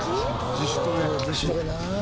自主トレな。